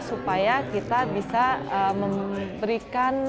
supaya kita bisa memberikan